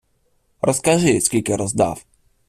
- Розкажи, скільки роздав.